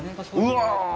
うわ！